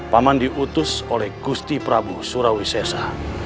paman diutus oleh gusti prabu surawisesa